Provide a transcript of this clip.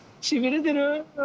しびれてる？